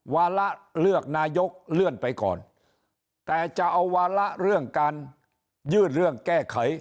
วาระเลือกนายกเลื่อนไปก่อนแต่จะเอาวาระเรื่องการยื่นเรื่องแก้ไข